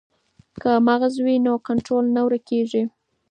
که مغز وي نو کنټرول نه ورکیږي.